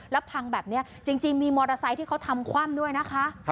แล้วพังแบบนี้จริงมีมอเตอร์ไซค์ที่เขาทำคว่ำด้วยนะคะ